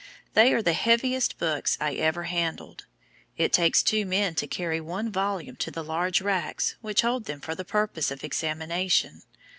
They are the heaviest books I ever handled. It takes two men to carry one volume to the large racks which hold them for the purpose of examination.